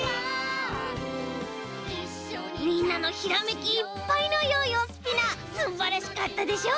みんなのひらめきいっぱいのヨーヨースピナーすんばらしかったでしょ？